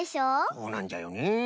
そうなんじゃよね。